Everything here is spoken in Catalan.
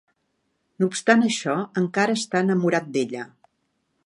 No obstant això, encara està enamorat d'ella.